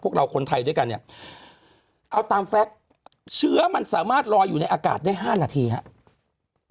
เราคนไทยด้วยกันเนี่ยเอาตามแฟคเชื้อมันสามารถลอยอยู่ในอากาศได้๕นาทีครับ